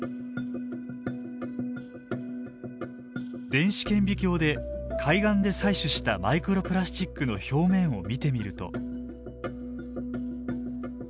電子顕微鏡で海岸で採取したマイクロプラスチックの表面を見てみると。